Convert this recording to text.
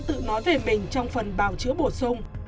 tự nói về mình trong phần bào chữa bổ sung